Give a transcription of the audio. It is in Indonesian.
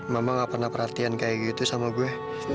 mama gak pernah perhatian kayak gitu sama gue